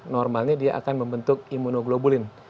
normalnya dia akan membentuk imunoglobulin